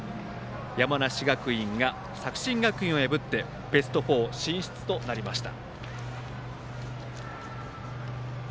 山梨学院が作新学院を破ってベスト４進出となりました。